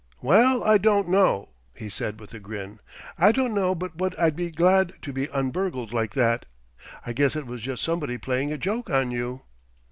"Well, I don't know," he said with a grin. "I don't know but what I'd be glad to be un burgled like that. I guess it was just somebody playing a joke on you."